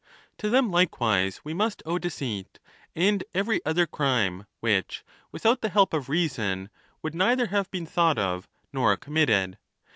To them likewise we must owe deceit, and every other crime, which, without the help of reason, would neither have been thought of nor committed.